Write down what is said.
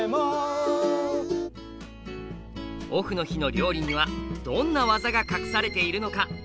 オフの日の料理にはどんな「技」が隠されているのか？